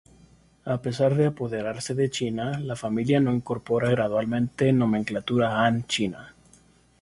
A pesar de apoderarse de China, la familia no incorpora gradualmente nomenclatura Han china.